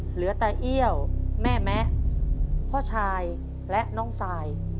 เหลือแต่เอี้ยวแม่แมะพ่อชายและน้องซาย